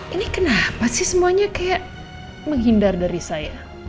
ini kenapa sih semuanya kayak menghindar dari saya